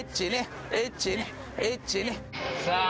さあ